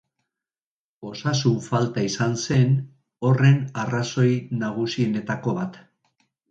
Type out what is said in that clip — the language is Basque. Osasun falta izan zen horren arrazoi nagusienetako bat.